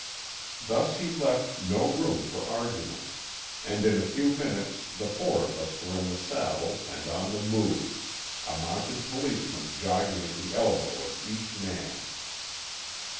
Thus he left no room for argument; and in a few minutes the four of us were in the saddle and on the move, a Mounted Policeman jogging at the elbow of each man.